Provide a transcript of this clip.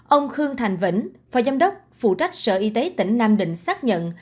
ông khương thành vĩnh phó giám đốc phụ trách sở y tế tỉnh nam định xác nhận